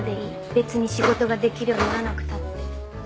別に仕事ができるようにならなくたって。